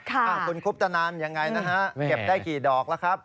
คุณคุปตนันยังไงนะฮะเก็บได้กี่ดอกแล้วครับ